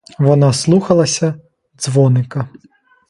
Вона слухалася — дзвоника.